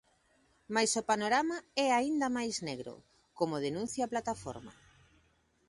Mais o panorama é aínda máis negro, como denuncia a Plataforma.